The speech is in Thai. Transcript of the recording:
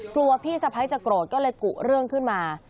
พี่สะพ้ายจะโกรธก็เลยกุเรื่องขึ้นมา